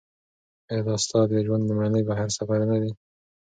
ایا دا ستا د ژوند لومړنی بهرنی سفر دی؟